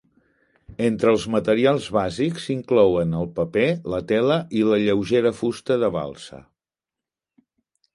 Entre els materials bàsics s'inclouen el paper, la tela i la lleugera fusta de balsa.